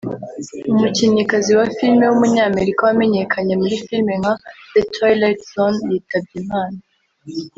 umukinnyikazi wa film w’umunyamerika wamenyekanye muri film nka The Twilight Zone yitabye Imana